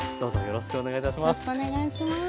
よろしくお願いします。